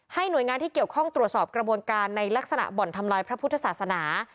หน่วยงานที่เกี่ยวข้องตรวจสอบกระบวนการในลักษณะบ่อนทำลายพระพุทธศาสนา